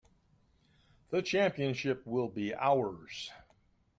The championship will be ours!